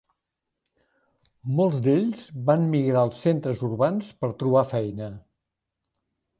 Molts d"ells van migrar als centres urbans per trobar feina.